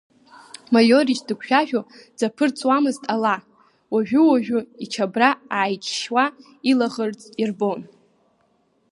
Маиорич дыгәжәажәо дзаԥырҵуамызт ала, ожәы-ожәы ичабра ааиҿшьуа, илаӷырӡ ирбон.